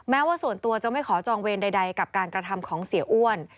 ว่าส่วนตัวจะไม่ขอจองเวรใดกับการกระทำของเสียอ้วน